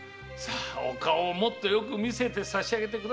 お顔をもっとよく見せてさしあげてくださいませ。